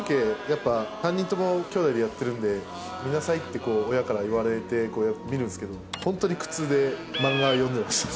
やっぱ３人とも兄弟でやってるんで見なさいって親から言われて見るんですけどホントに苦痛で漫画読んでました。